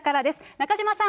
中島さん。